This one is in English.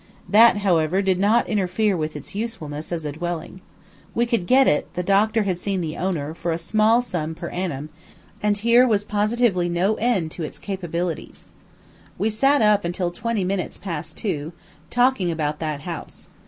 That, however, did not interfere with its usefulness as a dwelling. We could get it the doctor had seen the owner for a small sum per annum, and here was positively no end to its capabilities. We sat up until twenty minutes past two, talking about that house.